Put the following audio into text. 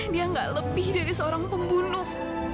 dia gak lebih dari seorang pembunuh